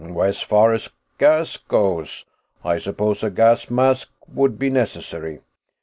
As far as gas goes, I suppose a gas mask would be necessary.